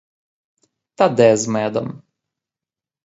Та де з медом.